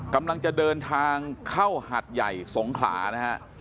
กำลังจะเดินทางเข้าหัดใหญ่สงขลานะฮะ